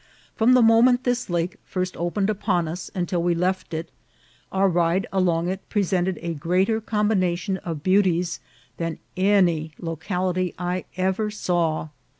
From the moment this lake first opened upon us until we left it, our ride along it presented a greater combination of beauties than any locality I ever saw.